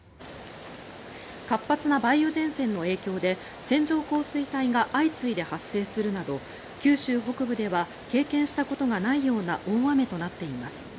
活発な梅雨前線の影響で線状降水帯が相次いで発生するなど九州北部では経験したことがないような大雨となっています。